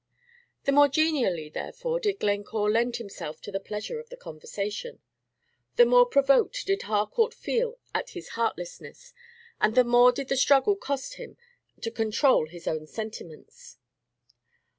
The more genially, therefore, did Glencore lend himself to the pleasure of the conversation, the more provoked did Harcourt feel at his heartlessness, and the more did the struggle cost him to control his own sentiments.